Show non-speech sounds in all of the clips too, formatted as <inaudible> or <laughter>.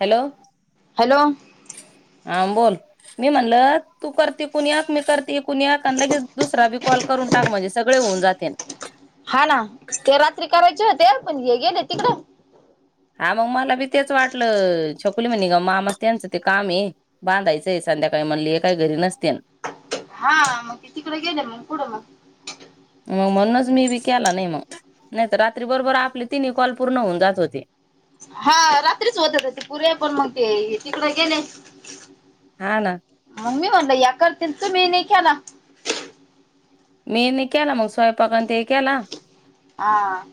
Hello hello हां बोल मी म्हणल तू करते कुण्याक मी करते कुण्याक आणि लगेच दुसरा बी कॉल करून टाक म्हणजे सगळे होऊन जातेन हा ना ते रात्री करायचे होते पण हे गेले तिकड हा मग मला बी तेच वाटलं अ छकुली म्हनी ग मामा त्यांचं ते काम आये बांधायचंय संध्याकाळी म्हणली हे काय घरी नसत्याल. हा मग ते तिकड गेले मग कुठं मग. अ म्हणूनच मी बी केला नाही मग नाही तर रातरी बरोबर आपली तीनी कॉल पूर्ण होऊन जात होते. हा रात्रीच होत ते पुरे पण मग ते तिकड गेले. हा ना आव मी म्हणलं या करतील तुम्ही नाही केला. <inaudible> मी नी केला मग सोयंपाक अन् ते केला. आ आ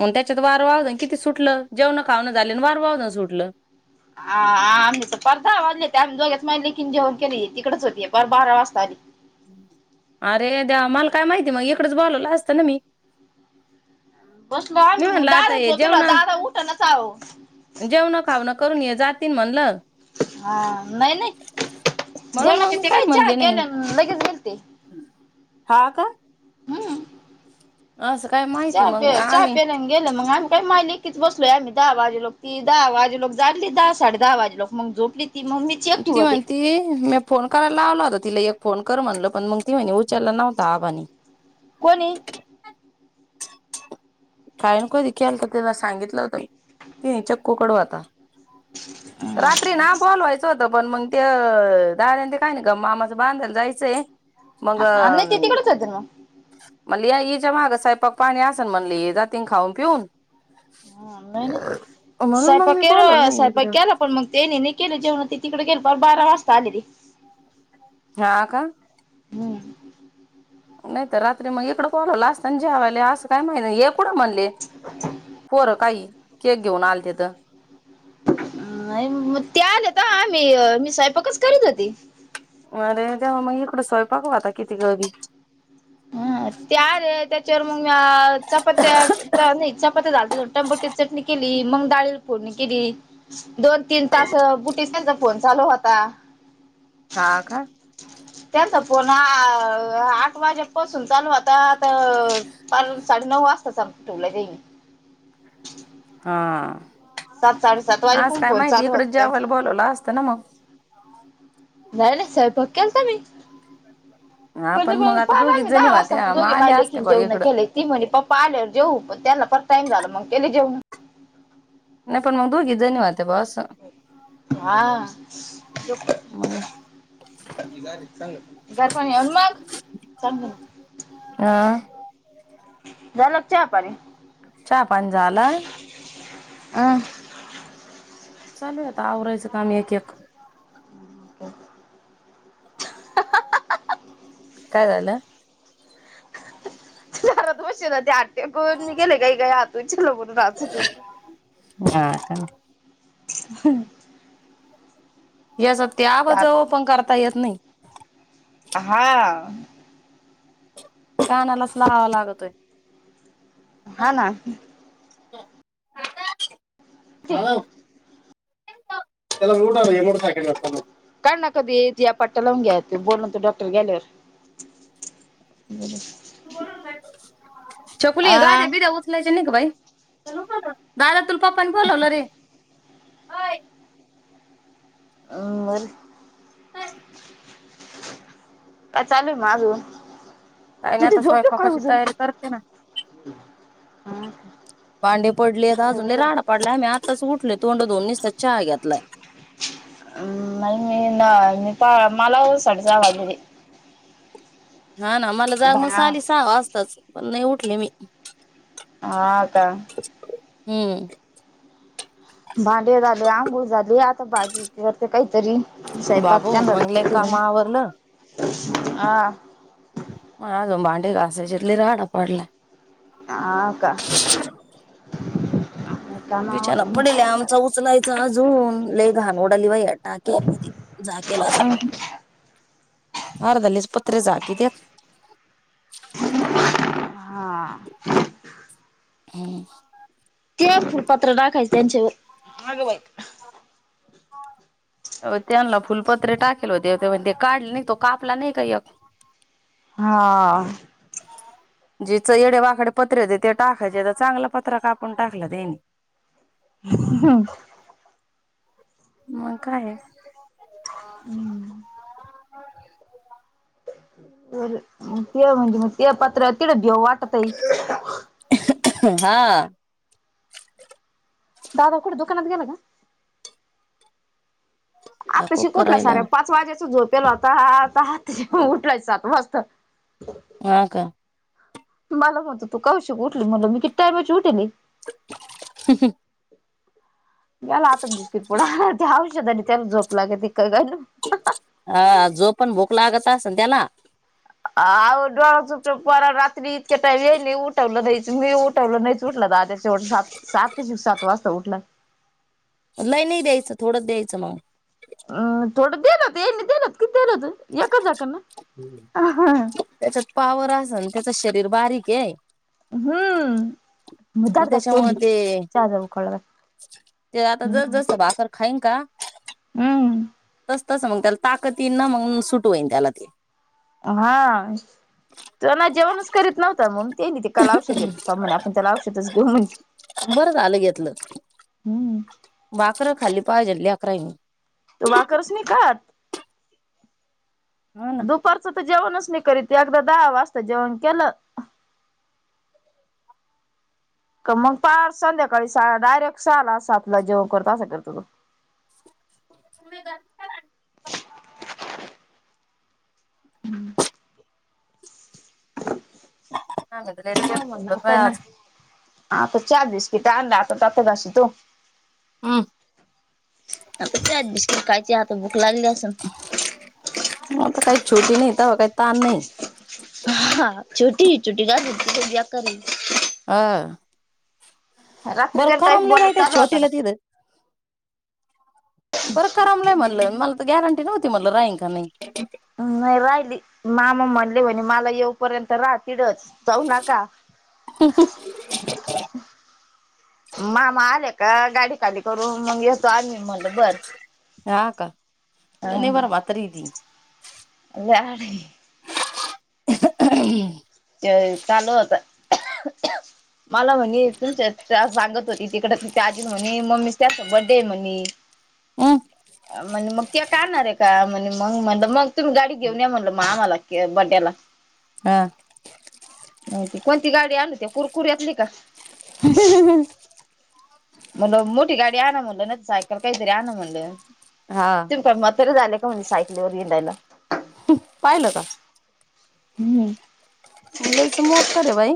मग त्याच्यात वार वादळ किती सुटलं? जेवण खावणं झाल्यावर वार वादळ सुटलं हा आम्ही पन पास सहा वाजले ते आम्ही दोघीच माईलेकिन जेवण केलय तिकडेच होती पार बारा वाजता आली. अरे देवा मला काय माहिती मग इकडच बोलवलं असतं ना मी बसलो मी आम्ही म म्हणलं आता दारातच हे झोपला जेवणा दादा उठनाच आओ तीन म्हणलं हा नाय-नाय म्हणून जेवणा मग मी किती काही काय चहा म्हणले नाही. केल्या लगेच गेल ते हा का म्ह ना असं काय माहिती चहा मग प्या चहा आम्ही प्यालन गेलं मग आम्ही काय मालीकीच बसलोय आम्ही दहा वाजे लो की दहा वाजलो जागली दहा साडे दहा वाजलो मग झोपली ती मग मीच एकटी ती होते. म्हणती मी फोन करायला लावला होता तिला एक फोन कर म्हणलं पण मग ती मीने उ चलला नव्हता आबानी कोणी काय माईत म कधी केलता तिला सांगितलं होत ती चक्कुकडू आता रात्री ना बोलवायचं होत पण मग ते अ दादा तेन काय नाही ग मामाचं बांधायला जायचंय मग आणि ति तिकडचं होतील म म्हणली आई हिच्या मागं साहेब मग पाणी असेन म्हणली जातीन खाऊन-पिवून हा नाही-नाही म्हणून मग स्वयंपाक मी बोलवलं केलं नाही स्वयंपाक इकडं केला पण मग त्यानी नाही केलं जेव्हा ती तिकडे गेले मग बारा वाजता आली रे हा का? हम्म नाही तर रात्री मग इकडं बोलावलं असताना जेवायला असं काय माहिती कुठे म्हणले पोरं काही केक घेऊन आल तिथं आ मग त्या आलेत आम्ही मी स्वयंपाकच करीत होती अरे तेव्हा मग इकडं स्वयंपाक होता किती तरी हा ते आले त्यात चल मग तुम्ही आ चपात्या चा नाही चपाट्या झाल्या आणि टोमॅटोची चटणी केली ली, मग डाळीवर फोडणी केली दोन-तीन तास बुटीसांच्या फोन चालू होता हा का? तर पना आ तो आठ वाजेपसून चालू होता तर पार साडेनऊ वाजता चालु टोवला जाई हा साडेसात आज वाजेपर्यंत काय फोन माहिती चालू इकडेच होता त्यांचा. जेवायला बोलावलं असतं ना मग नाही नाही सयंपाक केलता मी आपण मग आता <unintelligible> दोघीच जणी दहा वाजता मग होत्या दोघी माई आल्या असत्या लेकीन बा जेवण इकडं केले ती म्हणली पप्पा आल्यावर जेऊ पण त्याला पार टाईम झाला मंग केले जेवणं पण मग दोघी जणी हो हा मग घर पण येऊन मग चांगल अ झाला का चहा पाणी चहा पाणी झाला. अं चालूये आता आवरायचं काम एक एक <inaudible> काय झाल. घरात बसेले होते आत ते पळून गेले घाई घाई आतून <unintelligible> बघून हाचत होते. हा का? <inaudible> याचं त्याग जवळ पण कर काय यत नाही. हा कानालाच लावाला लागतोय. हा ना आता ते हॅलो त्याला रूट आल हे बघ <unintelligible> त्या पट्टया लावून घ्या त्यो बोलतो डॉक्टर गेल्यावर <unintelligible> छकुली गाद्या आ बिद्या उचलायच्या नाय का बाई. दादा तुला पप्पांनी बोलावले रे. अ बर काय चालू ये मग अजून काय नाही तिथे आता झोपलो काय स्वयंपाकाची अजून तयारी करते ना भांडी पडलेत बर अजून लय बर राडा पडलाय मी आत आत्ताच उठलोय तोंड धुऊन निसता चहा घेतलाय. <inaudible> माला ओ साडेसहा वाजलेले. हा ना मला जाग मग आली सहा वाजता पण नाय उठले मी हा का हूं भांडे झाले आंघोळ झा हे आता भाजी <unintelligible> काय तरी बाबू मंगलेय काम आवरलं. हा नाही अजून भांडी घासायचेत अजून लय राडा पडलाय. हा का? काम बिचाना आवरलं पडलाय आमचा उचलाय जरा अजून लई घाण उडाली बाई वारा मग आल्यास पत्रं झाकीत्यात हा हम ते फुलपात्र टाकायचं त्यांच्यावर अगं बाई अ त्यांना फुलपत्र टाकल होते तेव्हा ते काढले नाही का कापला नाही का एक? हा! जिच येड वाकड पत्रे होते ते टाकायचे तर चांगला पत्रा कापून टाकला त्यांनी हम! मग काय आहे? <unintelligible> र ते म्हणजे मग ते पत्रा तिड दे वाट टतईस हा दादा कुठं दुकानात गेला का? आता शी खूप कुठला करायला सऱ्या पाच वाजेच झोप. तेला आता हा आता ते उठलाय सात वाजता हा का? मला म्हणत तू का उशीक उठली म्हणं मी किती टायमाची उठेली. हम् हम्! याला आता बिस्किट पुढा, त्या औषधानी त्याला झोप लागती का काय? अ-जो पण भोक लागत अस न त्याला. आव डोळा चुटू पार रात्री इतक्या टाईम येईल उठवलं भ्यायचं मी उठवलं नाहीच उठला दादया, शेवट सात-सात-सात वाजता उठलाय. नाही नाही द्यायचं, थोडंच द्यायचं मग. अ थोडं देना ते मी देनत किती होत्यात एकच जाकन ना? <unintelligible> त्याच्यात पावर आसन त्याच शरीर बारीक ये हम्म दात घास त्याच्यामुळे तोंडी ते चहा जरा उकळला घाल <inaudible> ते आता जस हम्म जस भाकर हयं का? हम्म तस तस मग त्याला ताकती ना मग सुट होईन त्याला ते हा तो ना जेवणच करीत नव्हता म्ह ते नाही ते काल औषध घेत म्हणे आपण त्याला औषधच घेऊ म्हणजे बरं झालं घेतलं हम्म पाहिजेल लेकरं हाय मी तो भाकरी नाही खात हो ना. दुपारचं तर जेवणच नाही करीत एकदा दहा वाजता जेवण केलं का मग फार संध्याकाळी सा डायरेक्ट सला सातला जेवण करतो अस करतो तो तुम्ही गर हम्म त्याचमूळ म्हण आताय ना आता चार दिस तीथ आणला आताच आता जाशी तू हम्म आ बिस्किट कायची आता भूक लागली आसन आता काही छोटी नाही तवा काही ताण नाही हां छोटी छोटी <unintelligible> आ रात्री बर काय टाईप करमल नाय बोलत त्या चालू होता छोटीला तिथं बरं करमलय म्हटलं मला तर गॅरंटी नव्हती म्हटल राहीन का नाही? ना नाही राहिली मामा म्हणले म्हणे मला येऊपर्यंत राहा तिथच जाऊ नका <inaudible> मामा आले का गाडी काढली? <unintelligible> येतो आम्ही म्हटलं बर हा का? नाही अ बर म्हातारी आहे ती <unintelligible> ते चालू होत <unintelligible> मला म्हणील तुमच्या तिथ सांगत होती तिकड तिची आजी म्हणे मम्मी त्याससोबत दे म्हणे अन् म्हणे केक आणणार आहे का? म्हणे मग म्हणलं मग तुम्ही गाडी घेऊन या म्हणलं मग आम्हाला बडेला हं हो ते कोणती? गाडी आणली त्या कुरकुर्रयातली का? हूं हूं हूं म्हणलं मोठी गाडी आणा म्हणलं ना सायकल काहीतरी आण म्हटलं हा तुम्ही काय म्हातारे झाले. सायकलीवर हिंडायला हम पाहिलं का? हम्म लईच मोकार ये बाई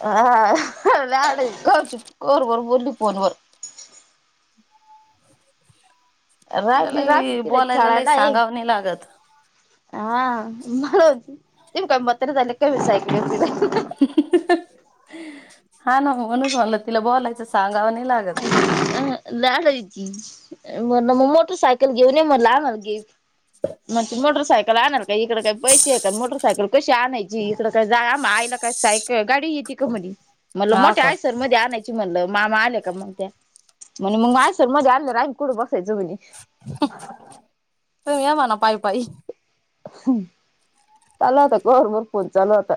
<unintelligible> हा हा ह लाड ये कवाची कवरभर बोली फोन वर तिला राहिली राहती लई तिकडे बोलायला लई खेळायला आहे सांगाव नाही लागत हा मला म्हणती तुम्ही काय म्हातारी झाली काय सायकलवर फिरायला हहा ह ह ह हा ना म्हणूच म्हणल तिला बोलायचं सांगाव नाही लागत. <unintelligible> आह् लाडाची म मग मोटरसायकल घेऊन ये म्हणलं आम्हाला गिफ्ट म मोटर सायकल आणलं का इकड काही पैसे आहे का मोटरसायकल कशी आणायची इकड काय जा आ आईला काय सायकल गाडी येती का म्हणली म्हणलं हा मोठ्या का आयसर मध्ये आणायची म्हणलं मामा आले? कामून त्या म्हणे मंग <unintelligible> आणल्यावर आम्ही कुड बसायचं म्हणी हम - तु ये म्हणाव पाई पाई चालू होता कवरभर फोन चालू होता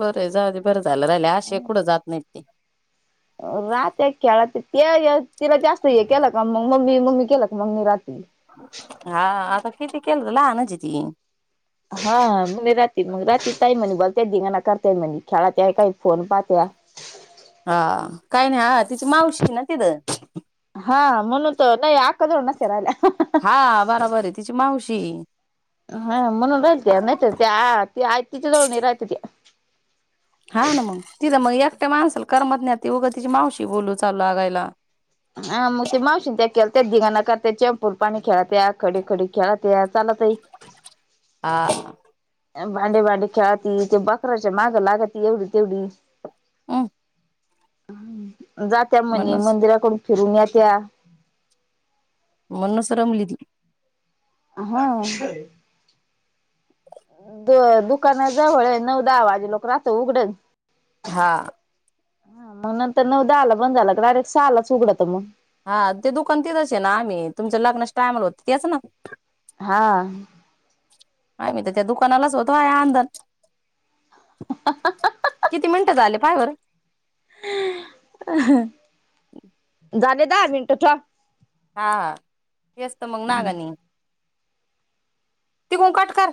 बरंय जाउदे बरं जाल राहिलंय अशेई कुड जात नाहीत ते राहते खेळा ते ते ए तिला जास्त हे केला का मंग मम्मी मम्मी केलं क मम्मी राती हा आता किती केलं तर लहानच ये ती हाा म्हजे राती मग राती काय म्हणे बगं ते धिंगाणा करताय म्हणली खेळाताय काई फोन पाहत्या हा काय नाई हा तिची मावशी य ना तिथं हा, म्हणून तर नाई अक्का जवळ नसत्या रायल्या हा बराबर आहे तिची मावशी. हा-हा हा म्हणून राईलत्या नाय तर त्या आ त्या आय तिचे जवळ नई राहती त्या हा ना मंग तिथं मग एकट्या माणसाला करमत नाय ती उग तिची मावशी बोलू चालू लागायला हा म ते मावशीन त्या केलत्या धिंगाणा करत्यात चेंपूर पाणी खेळत्यात खडी-खडी खेळत्यात चालतई हा. भांडे भांडे खेळाती त्या बकराच्या मागं लागती एवढी तेवढी हम हम् जात्या म्हणे म्हणूनच मंदिराकडून फिरून येत्या मनुनच रमली ती हा द दुकाना जवळए नऊ दहा वाजे लोक राहतय उघडन हा हा मंग नंतर नव दहाला बंद झालं का डायरेक सालाच उघडत मंग हा ते दुकान तेच असे ना आम्ही तुमच्या लग्नास टायमला होत तेच ना. हा. आ मी तर त्या दुकानालाच होतो आहे आंदन किती मिनट झाले काय बर? अ झाले दहा मिनटं त हा हा हेचत मग ना गणी तिघू काट कर